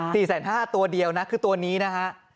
ศรีสัญ๕บตัวเดียวนะคือตัวนี้น่ะ